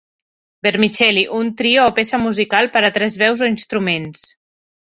Vermicelli: un trio o peça musical per a tres veus o instruments.